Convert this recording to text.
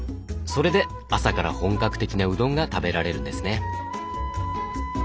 それで朝から本格的なうどんが食べられるんですね。